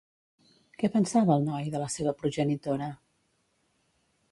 Què pensava el noi de la seva progenitora?